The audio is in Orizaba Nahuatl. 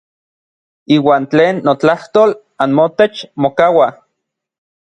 Iuan tlen notlajtol anmotech mokaua.